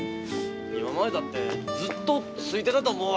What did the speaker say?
今までだってずっとついてたと思うわ。